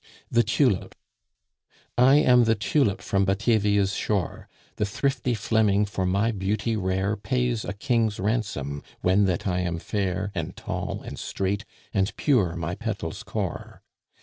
THE TULIP. I am the Tulip from Batavia's shore; The thrifty Fleming for my beauty rare Pays a king's ransom, when that I am fair, And tall, and straight, and pure my petal's core.